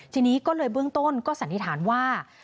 ทีนี้ก็เลยเบื้องต้นก็สันนิษฐานว่า